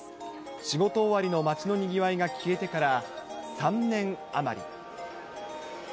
仕事終わりの街のにぎわいが消えてから３年余り。